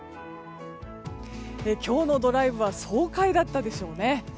今日のドライブは爽快だったでしょうね。